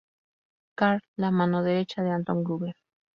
Karl: La mano derecha de Anton Gruber.